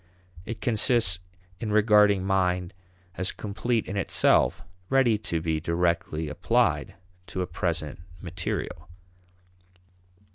It consists in regarding mind as complete in itself, ready to be directly applied to a present material.